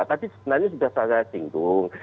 tadi sebenarnya sudah saya singgung